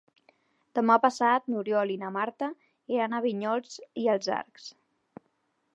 Demà passat n'Oriol i na Marta iran a Vinyols i els Arcs.